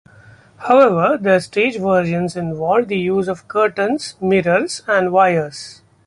However, their stage versions involved the use of curtains, mirrors and wires.